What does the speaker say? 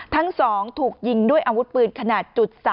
ทั้ง๒ถูกยิงด้วยอาวุธปืนขนาด๓